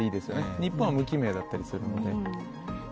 日本は無記名だったりするので。